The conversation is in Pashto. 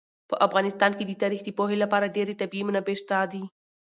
په افغانستان کې د تاریخ د پوهې لپاره ډېرې طبیعي منابع شته دي.